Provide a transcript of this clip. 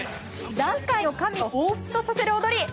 ダンス界の神をほうふつとさせる踊り。